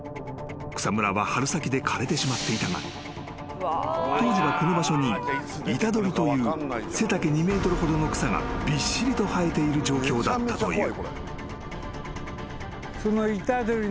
草むらは春先で枯れてしまっていたが当時はこの場所にイタドリという背丈２ｍほどの草がびっしりと生えている状況だったという］